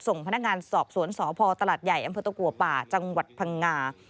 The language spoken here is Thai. ส่งพนักงานสอบสวนสพตลาดใหญ่อำเภอตะกัวป่าจังหวัดพังงา